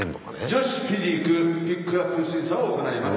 女子フィジークピックアップ審査を行います。